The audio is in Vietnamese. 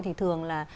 thì thường là